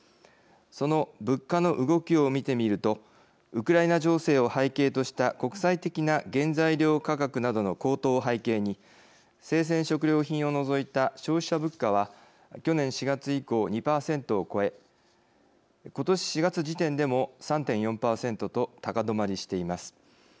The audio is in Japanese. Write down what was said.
その物価の動きを見てみるとウクライナ情勢を背景とした国際的な原材料価格などの高騰を背景に生鮮食料品を除いた消費者物価は去年４月以降２％を超え今年４月時点でも３．４％と高止まりしています。